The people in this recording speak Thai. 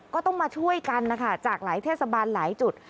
ก็ต้องมาช่วยกันนะคะจากหลายเทศบาลหลายจุด